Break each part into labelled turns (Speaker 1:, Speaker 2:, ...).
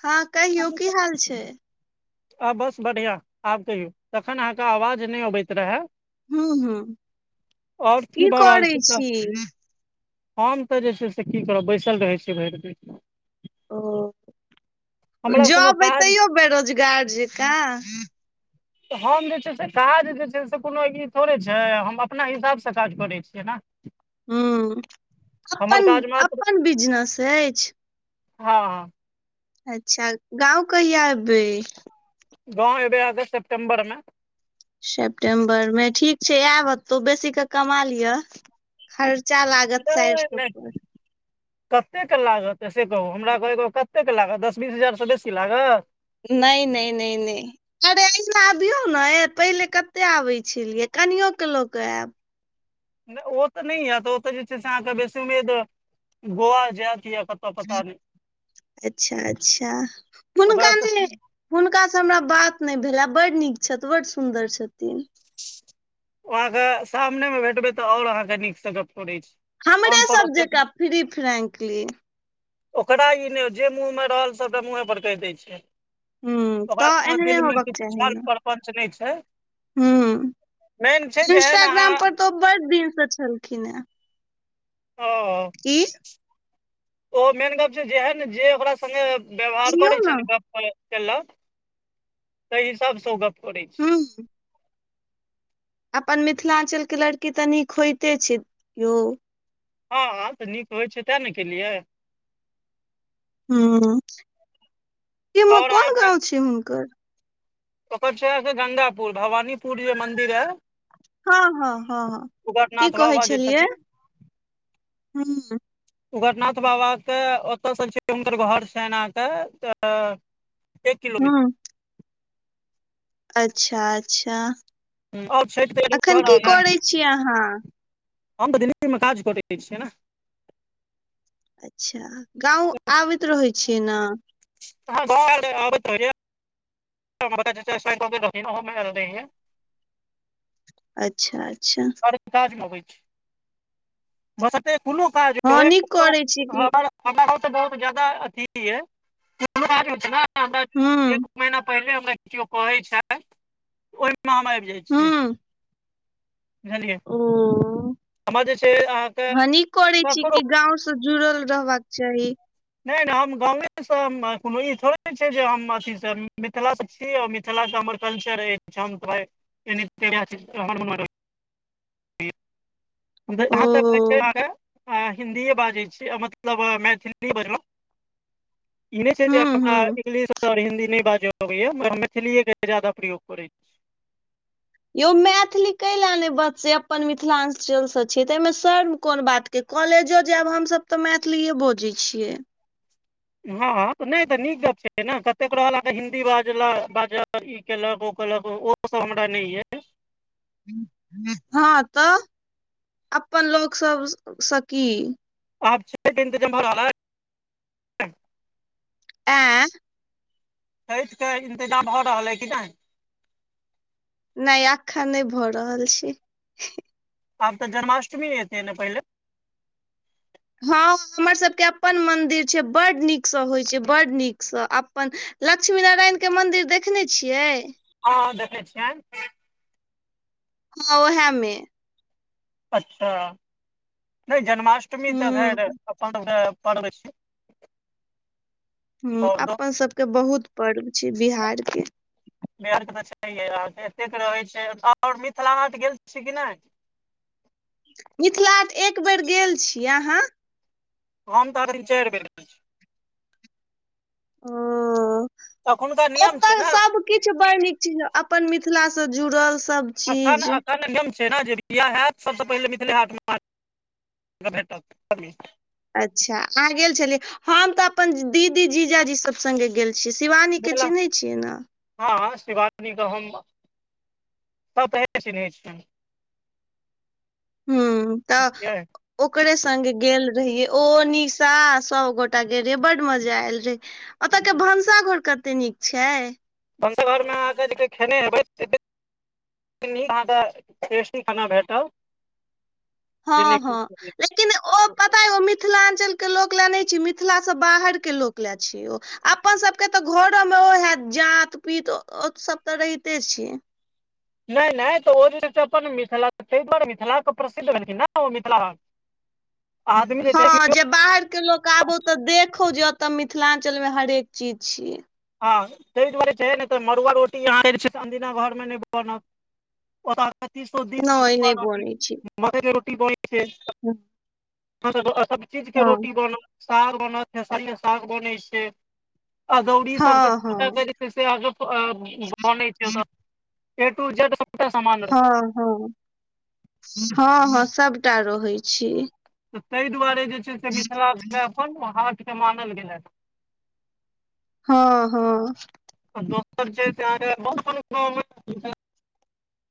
Speaker 1: हँ कहियौ की हाल छै
Speaker 2: आ बस बढ़िया आब कहियौ तखन अहाँके आवाज नहि अबैत रहेय
Speaker 1: हूँ हूँ
Speaker 2: आओर की भऽ रहल
Speaker 1: करै
Speaker 2: छै तऽ
Speaker 1: छी
Speaker 2: हम तऽ जे छै से की करब बैसल रहै छी भरि दिन
Speaker 1: ओ
Speaker 2: हमरा कोनो
Speaker 1: जॉब यऽ
Speaker 2: काज
Speaker 1: तैयो बेरोजगार जकाँ
Speaker 2: तऽ हम जे छै से काज जे छै से कोनो एक थोड़े छै हम अपना हिसाबसँ काज करै छियै नऽ
Speaker 1: हू अपन
Speaker 2: मात्र
Speaker 1: अपन बिजनेस अछि
Speaker 2: हँ हँ
Speaker 1: अच्छा गाँव कहिया एबै
Speaker 2: गाँव एबै अगस्त सेप्टे्बर मे
Speaker 1: सेप्टेम्बर मे ठीक छै आयब एतहु बेसीे कऽ कमा लिअ खर्चा लागत साइर
Speaker 2: नहि
Speaker 1: सब
Speaker 2: नहि
Speaker 1: पर
Speaker 2: कतेक लागत से कहू हमरा कहु कतेक लागत दस बीस हजारसँ बेसी लागत
Speaker 1: नहि नहि नहि नहि अरे अना अबियौ नऽ पहिले कतेक आबै छलियै कनियोके लऽ कऽ आयब
Speaker 2: नहि ओ तऽ नहि एत ओतऽ जे छै से अहाँके बेसी उम्मीद गोआ जायत या कतऽ पता नहि
Speaker 1: अच्छा अच्छा हुनका
Speaker 2: ओकरा तऽ
Speaker 1: ने हुनका सऽ हमरा बात नहि भेलै बड नीक छथि बड सुन्दर छथिन
Speaker 2: ओ अहाँके सामने मे भेटबै तऽ ओर अहाँके नीकसँ गप करे छैय
Speaker 1: हमरे सब जकाँ फ्री फ्रेंकली
Speaker 2: ओकरा ई नहि जे मुँहमे रहल सभटा मुँहे पर कहि दै छै
Speaker 1: हूँ
Speaker 2: ओकरा
Speaker 1: तऽ
Speaker 2: कोनो
Speaker 1: एहने
Speaker 2: दिलमे
Speaker 1: होबक
Speaker 2: किछ छल प्रपञ्च नहि छै मेन छै
Speaker 1: हुं
Speaker 2: जेहन अहाँ
Speaker 1: इंस्टाग्राम पर तऽ ओ बड़ दिन से छलखिन हे
Speaker 2: [unintelligible]
Speaker 1: की
Speaker 2: ओ मेन गप छै जेहन जे ओकरा सङ्गे व्यवहार करै छै ने गप्प के केलक तैहिसाबसँ ओ गप्प करै छै
Speaker 1: हूँ अपन मिथिलाञ्चल के लड़की तऽ नीक होइते छै यौ
Speaker 2: हँ तऽ नीक होइ छै तें ने केलियै
Speaker 1: हूँ उ-उ ई मे
Speaker 2: आओर
Speaker 1: कोन
Speaker 2: अहाँके
Speaker 1: गाँव छियै हुनकर
Speaker 2: ओकर छियै गंगापुर भवानीपुर जे मंदिर एय
Speaker 1: हँ हँ हँ हँ की
Speaker 2: उग्रनाथ
Speaker 1: कहै
Speaker 2: बाबा जे छथिन
Speaker 1: छलियै हूँ
Speaker 2: उग्रनाथ बाबा के ओतयसँ छै हुनकर घर छनि अहाँके एक किलोमी-
Speaker 1: हूँ अच्छा अच्छा
Speaker 2: आओर छठि तैयारी भऽ
Speaker 1: एखन की
Speaker 2: रहल है
Speaker 1: करै छीयै अहाँ
Speaker 2: हम त दिल्ली मे काज करै छियै न
Speaker 1: अच्छा गाँव आबैत रहै छियै न
Speaker 2: अहाँ गाँव आएल रहाए आबैत रहै या हमर बड़का चचा एक्सपारि कऽ गेल रहथिन ओहो मे आएल रहियै
Speaker 1: अच्छा अच्छा
Speaker 2: हर काजमे अबै छी बशर्ते कोनो काज
Speaker 1: हँ
Speaker 2: होय
Speaker 1: नीक करै छी की
Speaker 2: हमर हमरा गाँव स तऽ बहुत ज्यादा अथि यै [unintelligible] हमरा
Speaker 1: हूँ
Speaker 2: जे एक महिना पहिले हमरा कियौ कहै छथि ओहिमे हम आबि जाइ छियै बुझलियै
Speaker 1: ओ-ओ
Speaker 2: हमर जे छै अहाँके
Speaker 1: हॅं नीक करै छी
Speaker 2: ककरो
Speaker 1: की गाँव तऽ जुड़ल रहबाक चाही
Speaker 2: नै नै हम गाॅंवेसँ कोनो ई थोड़े छै जे हम अथीसँ मिथिलासँ छी हम मिथिलाके हमर कल्चर अछि हम तऽ भाइ हम तऽ
Speaker 1: ओ
Speaker 2: जहाँ तक होइ छै हिन्दीए बाजै छी मतलब मैथिली बजलौं ई नै छै जे
Speaker 1: हूँ
Speaker 2: हमरा
Speaker 1: हूँ
Speaker 2: इंग्लिश आओर हिन्दी नहि बाज अबैया मगर मैथिलीए के जादा प्रयोग करै छी
Speaker 1: यौ मैथिली कैले नै बजतै अपन मिथिलाञ्चल स छी तऽ एहिमे शर्म के कोन बात के कॉलेजो जायब हमसभ तऽ मैथिलीेए बजै छियै
Speaker 2: हँ त नै तऽ नीक गप छै ने कतेक रहल अहाँके हिन्दी बाज लागत ई केलक ओ केलक ओ सब हमरा नै या
Speaker 1: हँ तऽ अपन लोक सब सँ की
Speaker 2: आब छैठ इन्तजाम भ रहल एय
Speaker 1: आँय
Speaker 2: छैठ के इन्तजाम भ रहल अइ कि नहि
Speaker 1: नै अखन नै भऽ रहल छै
Speaker 2: आब तऽ जन्माष्टमी एतै न पहिले
Speaker 1: हँ हमर सभके अपन मन्दिर छै बड्ड नीकसँ होइ छै बड्ड नीकसँ अपन लक्ष्मी नारायण के मन्दिर देखने छियै
Speaker 2: हँ-हँ देखै छियनि
Speaker 1: हँ ओहामे
Speaker 2: अच्छा नै जन्माष्टमी तऽ खैर
Speaker 1: हूँ
Speaker 2: अपन सबकें पर्व अछि
Speaker 1: हूँ
Speaker 2: आओर दो
Speaker 1: अपन सबके बहुत पर्व छै बिहार के
Speaker 2: बिहारमे तऽ छैहे अहाँके एतेक रहै छै आओर मिथिला हाट गेल छी कि नहि
Speaker 1: मिथिलाहाट एक बेर गेल छी अहाँ?
Speaker 2: हम तऽ [unintelligible]
Speaker 1: ओ
Speaker 2: तखुनका नियम छैय
Speaker 1: ओतऽ
Speaker 2: ने।
Speaker 1: सब किछु बड़ नीक चीज अपन मिथिलाँ जुड़ल सब चीज
Speaker 2: अखन-अखन छैय ने जे बिआह हैत सबसँ पहिनेे मिथिले हाटमे भेटत।
Speaker 1: अच्छा अहाँ गेल छलियै, हम तऽ अपन दीदी जीजाजी सब संगे गेल छी शिवानीके
Speaker 2: मिथिला
Speaker 1: चिन्हैत छियै ने?
Speaker 2: हँ! शिवानी क हम [unintelligible]
Speaker 1: हू तऽ
Speaker 2: बुझलियै
Speaker 1: ओकरे संगे गेल रहिये ओ निशा सबगोटा गेल रहिय बड मजा आयल रहे। ओत के भनसाघर कते नीक छैय।
Speaker 2: बङ्गा घरमे अहाँके जे खेने हेबै से [unintelligible] [unintelligible] टेस्टी खाना भेटल।
Speaker 1: हँ हँ ले ओ मिथिलांचलके लोक ले नहि छी, मिथिला से बाहर के लोक ले छीय ओ। अपन सभके तऽ घरोमे ओहे जात पीत ओ सभ तऽ रहिते छैय।
Speaker 2: नहि नहि तऽ ओ जे अपन मिथिला ताहि पर मिथिलाके प्रसिद्ध भेलखिन ने ओ मिथिला आदमी जे छै
Speaker 1: हँ जे बाहरके लोक आबो तऽ देखौ जे एतऽ मिथिलाञ्चल मे हरेक चीज छियै।
Speaker 2: हँ, ताहि दुआरे छैय ने तऽ मड़ुआ रोटी यहाँ अंदिना घरमे नहि बनल।
Speaker 1: नहि नहि
Speaker 2: [unintelligible]
Speaker 1: बनै छै
Speaker 2: मकइ के रोटी बनै छैय सब चीजके
Speaker 1: हँ
Speaker 2: रोटी बन साग बनत खेसारी के साग बनै छैय, अदौरी सब
Speaker 1: हँ हँ
Speaker 2: [unintelligible]
Speaker 1: हँ हँ हँ हँ सबटा रहै छैय।
Speaker 2: तऽ ताहि दुआरे जे छैय से मिथिलाके अपन हाटके मानल गेलया।
Speaker 1: हँ हँ
Speaker 2: [unintelligible] अहाँके [unintelligible]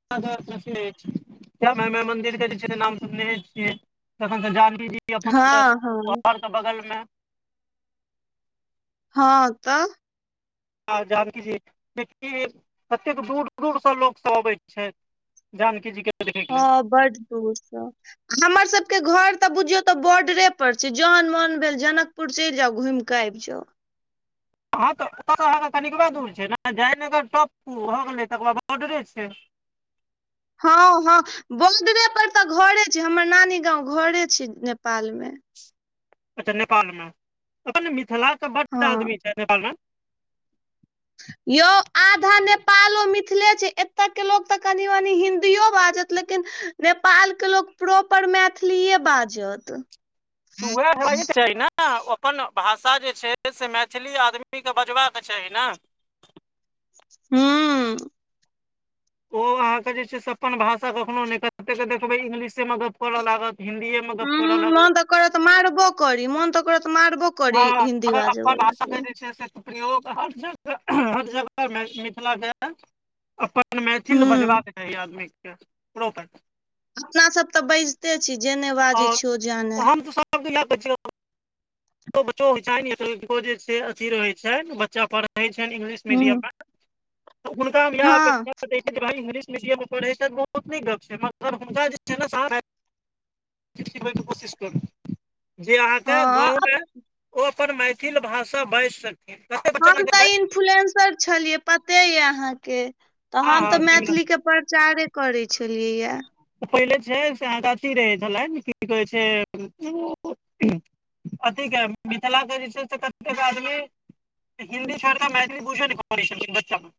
Speaker 2: [unintelligible] श्यामा माई मन्दिर के जे छैय नाम सुननहे छियै। तखन त जानकी जी अपन
Speaker 1: हँ हँ
Speaker 2: घर के बगल मे।
Speaker 1: हँ तऽ।
Speaker 2: आ जानकी जी कतेक दूर दूरसँ लोक सब अबैत छैथी। जानकी जी के
Speaker 1: हँ बड दूर स। हमरसभके घर तऽ बुझियौ तऽ बॉर्डरे पर छैय, जहन मोन भेल जनक पुुर चलि जाउ घुमिकऽ आबि जाव।
Speaker 2: हँ त ओहाँ के कनिकबा दूर छैय जयनगर टॉप हो गेलै तकर बॉर्डरे छैय।
Speaker 1: हँं हँ बॉडरे पर तऽ घरे छैय हमर नानी गाँंव घरे छैय नेपाल मे।
Speaker 2: अच्छा नेपालमे अपन मिथिला के बड
Speaker 1: हँ
Speaker 2: आदमी छैय नेपाल मे।
Speaker 1: यौ आधा नेपालो मिथिले छैय एत के लोक तऽ कनि मनि हिन्दियो बाजत लेकिन नेपालके लोक प्रॉपर मैथिलीए बाजत।
Speaker 2: उहाय हेबाय चाहि नऽ ह अपन भाषा जे छै से मैथिली आदमीके बजबाक चाही नऽ
Speaker 1: हू
Speaker 2: ओ अहाँके जे छै से अपन भाषा कखनो नहि कते के देखबै इंगलिशे मऽ गप करऽ लागत हिंन्दीए मे [unintelligible]
Speaker 1: कर मारबो करी मन तऽ करतऽ मारबो करी
Speaker 2: हँ
Speaker 1: हिन्दी
Speaker 2: अगर
Speaker 1: बाजै
Speaker 2: अपन
Speaker 1: वला के
Speaker 2: भाषा जे छै से। प्रयोग हर जगह हर जगह मिथिला कऽ अपन मैथिल
Speaker 1: हूँ
Speaker 2: बजबाक चाही आदमीके प्रोपर
Speaker 1: अपना सब तऽ बाजिते छी जे नहि बाजै
Speaker 2: आओर
Speaker 1: छीिय ओ जानै
Speaker 2: हम सब [unintelligible] बचो होइ नेो जे अथी रहे छैन बच्चा पढ़ [unintelligible] इंगलिश
Speaker 1: हूँ
Speaker 2: मीडियम मे तऽ हुनका हम ईहाय
Speaker 1: हँ
Speaker 2: अपेक्षा दे भाई इंग्लिश मीडियम मे पढ़ै छै बहुत नीक गप्प छै मगर हुनका छै ने सिखबयके कोशिश करू जे अहाँके
Speaker 1: हँ
Speaker 2: गाँवमे ओ अपन मैथिल भाषा बाजि सक
Speaker 1: हम तऽ इन्फ्लुएंसर छलियै पते यऽ अहाँके तऽ हम तऽ
Speaker 2: अहाँके हँ हँ
Speaker 1: मैथिलीके प्रचारे करै छलियैयए
Speaker 2: ओ पहिले छै अभि रहै छलनि की कहै छै अथीके मिथिलाके जे छै से कतेक आदमी हिन्दी छोड़ कऽ मैथिली बुझबे ने करी छथिन बच्चामे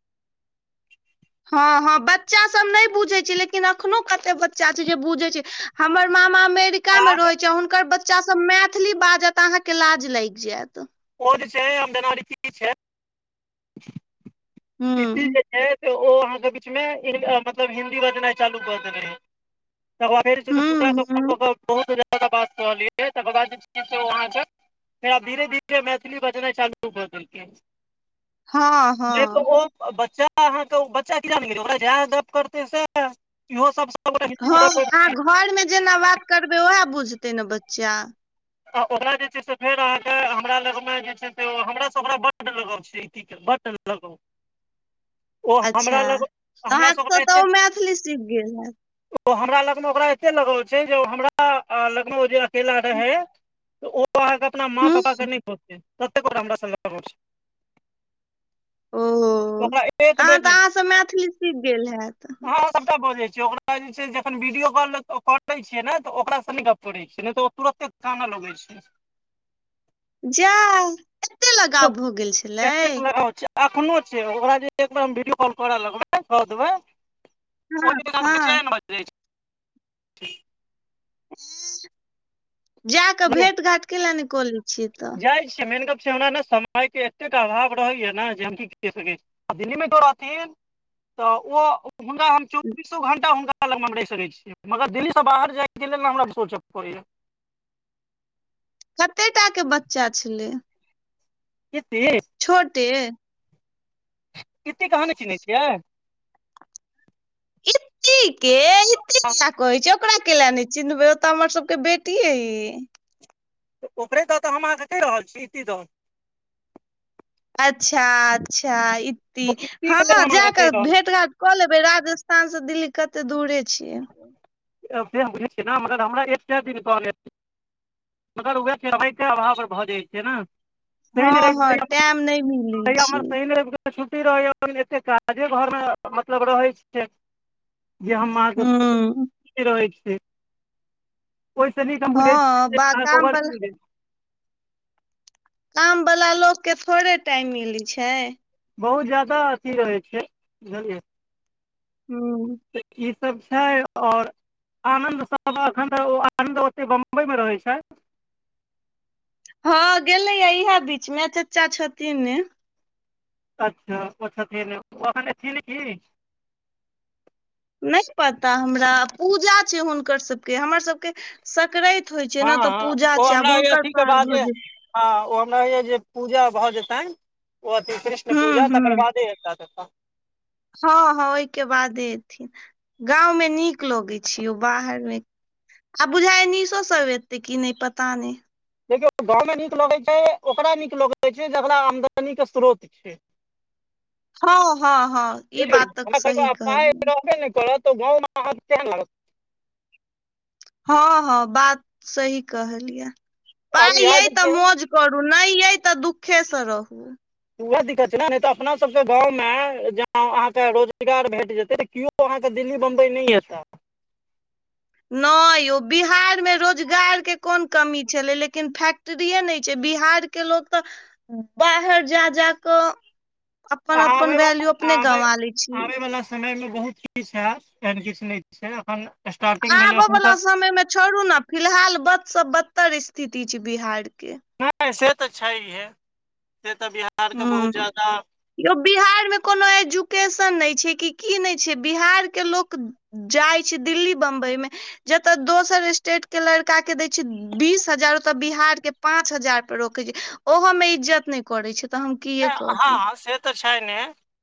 Speaker 1: हँ हँ बच्चा सब नहि बुझै छी लेकिन अखनो कते बच्चा छै जे बुझे छै हमर मामा मेर ा
Speaker 2: आब
Speaker 1: रहै छै हुनकर बच्चा सब मैथिली बाजत अहाँके लाज लागि जायत
Speaker 2: ओ जे छै [unintelligible]
Speaker 1: हूँ
Speaker 2: तऽ ओ अहाँ के बीच मे मतलब हिन्दी बजनाइ चालू क देेल रहे तकर बाद फेर पूजा
Speaker 1: हूँ
Speaker 2: कऽ
Speaker 1: हूँ
Speaker 2: फोन करके बहुत बात कहलियै तकर बाद छैय जे आहाँ कऽ फेर आब धीरे धीरे मैथिली बजनाइ चालू कऽ देलकै
Speaker 1: हँ।
Speaker 2: ने तऽ
Speaker 1: हँ
Speaker 2: ओ बच्चा अहाँके बच्चा किया नई गप करते से इहो सब सबगोटा हिन्दी
Speaker 1: हँ
Speaker 2: मे गप
Speaker 1: अहाँ घरमे जेना बात करबै उएह बुझतै नऽ बच्चा।
Speaker 2: ओकरा जे छै से फेर अहाँके हमरा लग मे जे छै से हमरा सबरा बडड लगाव छै की बड लगाउ
Speaker 1: अच्छा तऽ अहाँकेसँ तऽ आहो मैथिली सीख गेल हैत
Speaker 2: ओ हमरा लगमे ओकरा एते लगल छै जे हमरा लगन ओ जे अकेला रहै, तऽ ओ अहाँके अपना माँ
Speaker 1: हूँ
Speaker 2: पापा के नहि खोजतै ततेक हमरा सऽ लगाव छै।
Speaker 1: ओ
Speaker 2: छै ओकरा एक बेर
Speaker 1: तहन तऽ
Speaker 2: नहि
Speaker 1: अहाँसभ मैथिली सीख गेल हैतत
Speaker 2: अहाँ सबटा बजै छै ओकरा जे छै जखन वीडियो कॉल कै छियै ने तऽ ओकासँ गप करै छै नहि तऽ तुरते कानय लगै छै
Speaker 1: जाय एते लगाव भऽ गेल छलै
Speaker 2: एखनो छै ओकरा जे एकबार हम वीडियो कॉल करऽ लगबै कऽ देबै ओ
Speaker 1: हँ हँ
Speaker 2: बचैन भऽ जाय छै
Speaker 1: जा कऽ भेट घाट केेल नहि कऽ ले छियै तऽ
Speaker 2: जाइ छिये मेानन गप छै हमरा ने समय के एतेक अभाव रहैया ने जे हम की क सकै छी दिल्ली मे ओ रहथिन तऽ ओ हुनका हम चौबीसो घं्टा हुनका लगमे हम रहि सकैत छीै मगर दिल्लीसँ बाहर जायके लेल ने हमरा सोचय पड़ैया
Speaker 1: कते टा के बच्चा छलै।
Speaker 2: कते
Speaker 1: छोटे
Speaker 2: कतेक आहाँ नहि चिन्है छियै
Speaker 1: इती के इति दुआरे कहै छै ओकरा केले नहि चिन्हबे ओ त हमर सबके बेटीै
Speaker 2: तऽ ओकररे दऽ तऽ हम अहाँकेँ कहि रहल छी इति दऽ
Speaker 1: अच्छा-अच्छा इति हँ,
Speaker 2: के लेल हम अहाँके कहि
Speaker 1: जााकऽ
Speaker 2: रहल छी
Speaker 1: भेट घाट कऽ लेबै राजस्थान सऽ दिल्ली कते दूरे छियै।
Speaker 2: से हम बुझै छियै ने मगर हमरा एकसौ दिन कह मगर उह फेर [unintelligible] अभाव भऽ जाइ छै ने।
Speaker 1: हँ
Speaker 2: शनि रेव
Speaker 1: हँ टाइम नहि मिलै छै
Speaker 2: [unintelligible] छुट्टी रहैया एतेक काजे घरमे मतलब रहै छै, जे हम अहाँके
Speaker 1: हूँ
Speaker 2: [unintelligible] रहे छी ओहिसँ निक हम बुझय
Speaker 1: हँ बा काम बला
Speaker 2: [unintelligible]
Speaker 1: काम वाला लोक के थोड़े टाइम मिले छैय
Speaker 2: बहुत ज्यदा अथी रहै छै बुझलियै
Speaker 1: हू
Speaker 2: ई सब छै आओर आनंद सब अखन आनंद ओते बम्बई में रहे छै।
Speaker 1: हँ गेले हऽ इएह बीच मे चाचा छथिन
Speaker 2: अच्छा ओ छथिने ओ अथिन ने की
Speaker 1: नहि पता हमरा पूजा छै हुनकर सबके हमर सबके सक्राति होइ छै ने तऽ
Speaker 2: हँ
Speaker 1: पूजा
Speaker 2: ओ
Speaker 1: छै आब
Speaker 2: हमरा होइया
Speaker 1: हुंकर
Speaker 2: अथी के
Speaker 1: पार भऽ
Speaker 2: बादे
Speaker 1: जेत
Speaker 2: हँ ओ हमरा ये जे पूजा भऽ जेतनि ओ अथी कृष्ण
Speaker 1: हूँ
Speaker 2: पूजा तकर
Speaker 1: हूँ
Speaker 2: बादे हेतय तेतय
Speaker 1: हँ हँ ओहिके बादे एथिन गाँवमे नीक लगै छै ओ बाहर मे आ बुझाइ निसो सब एते किी नहि पता नहि
Speaker 2: देखिय गाँंव में निक लगे छै ओकरा नीक लगे छै जेकरा आमदनी के स्रोत छै।
Speaker 1: हँ हँ हँ ई बात
Speaker 2: [unintelligible]
Speaker 1: तऽ
Speaker 2: हमरा कहि
Speaker 1: सही
Speaker 2: कऽ पाय
Speaker 1: कहलियै
Speaker 2: रहबे नऽ करत तऽ गाँव मऽ आहाँ कऽ केहन लागत
Speaker 1: हँ हँ बात सही कहलियै।
Speaker 2: आ
Speaker 1: पाइ
Speaker 2: ईहाय
Speaker 1: अइ
Speaker 2: जे
Speaker 1: तऽ
Speaker 2: छैय
Speaker 1: मौज करू नहि यऽ तऽ दुखे से रहू।
Speaker 2: उएह दिक्कत छै नऽ नहि तऽ अपना सबके गाँवमे ज अहाँके रोजगार भेट जेतै तऽ केओ ओ अहाँकेँ दिल्ली बम्बई नहि ऐतैय।
Speaker 1: नहि यौ बिहारमे रोजगारके कोन कमी छलै, लेकिन फैक्ट फैक्ट्री नहि छै, बिहारके लोक तऽ बाहर जा जा कऽ अपन अपन
Speaker 2: आबै
Speaker 1: वैल्यू अपने गवा लै छीिय।
Speaker 2: समयमे बहुत किछु हेयत एहन किछु नहि छै अखन
Speaker 1: आबय वालला समय मे छोड़ू नऽ फिलहाल बदसँ बद्तर स्थिति छै बिहार के
Speaker 2: से तऽ छैहे से तऽ बिहारके बहुत
Speaker 1: हूँ
Speaker 2: जादा
Speaker 1: यौ बिहार मे कोनो एजुकेशन नहि छै कि की नहि छै बिहार के लोक जाइ छी दिल्ली बं्बई मे जतय दोसर स्टेट के लड़का के दै छै बीस हजार ओतऽ बिहार के पाँच हजार पर रोकै छै ओहोमे इज्जत नहि करै छै तऽ हम किए
Speaker 2: नहि
Speaker 1: कहू
Speaker 2: हँ से तऽ छैने